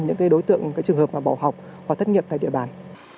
những đối tượng trường hợp bỏ học hoặc thất nghiệp tại địa bàn